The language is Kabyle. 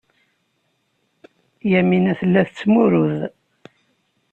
Yamina tella tettmurud.